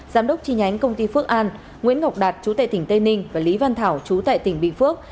giám đốc tri nhánh công ty phước an nguyễn ngọc đạt chú tệ tỉnh tây ninh và lý văn thảo chú tại tỉnh bình phước